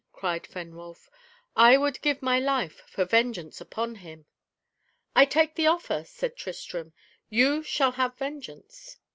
cried Fenwolf. "I would give my life for vengeance upon him." "I take the offer," said Tristram; "you shall have vengeance."